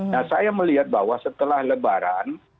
nah saya melihat bahwa setelah lebaran